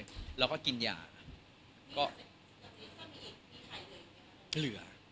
กล่าวให้ไปมั้ย